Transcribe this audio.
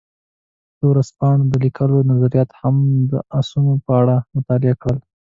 د ورځپاڼو د لیکونکو نظریات مو هم د اسونو په اړه مطالعه کړل.